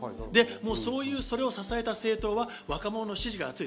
それを支えた政党は若者の支持が厚い。